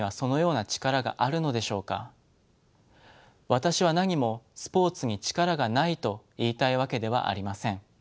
私はなにもスポーツに力がないと言いたいわけではありません。